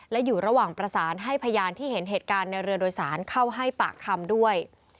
และอยู่ระหว่างประสานให้พยานที่เห็นเหตุการณ์ในเรือโดยสารเข้าให้ปากคำด้วย